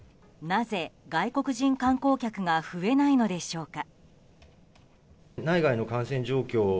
なぜ、外国人観光客が増えないのでしょうか。